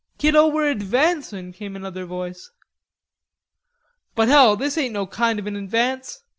"Kiddo! we're advancin'," came another voice. "But, hell, this ain't no kind of an advance.